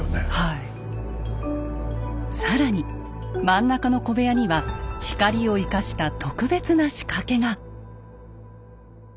更に真ん中の小部屋には光を生かした特別な仕掛けが。